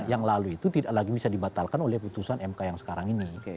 yang lalu itu tidak lagi bisa dibatalkan oleh putusan mk yang sekarang ini